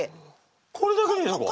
これだけでいいのか？